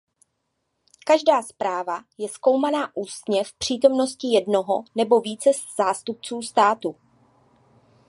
Každá zpráva je zkoumána ústně v přítomnosti jednoho nebo více zástupců státu.